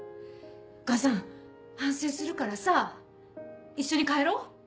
母さん反省するからさ一緒に帰ろう。